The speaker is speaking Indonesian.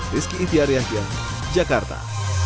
rizky itiariah jakarta